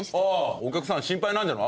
お客さん心配なんじゃない？